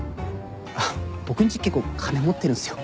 僕んち結構金持ってるんすよ。